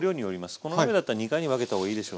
この鍋だったら２回に分けた方がいいでしょうね。